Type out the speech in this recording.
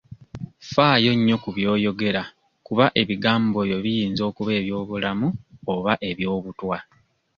Faayo nnyo ku by'oyogera kuba ebigambo byo biyinza okuba eby'obulamu oba eby'obutwa.